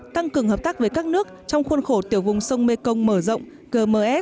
tăng cường hợp tác với các nước trong khuôn khổ tiểu vùng sông mekong mở rộng gms